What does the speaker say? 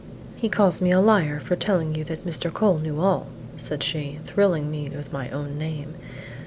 "He calls me a liar for telling you that Mr. Cole knew all," said she, thrilling me with my own name.